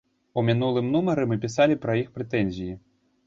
У мінулым нумары мы пісалі пра іх прэтэнзіі.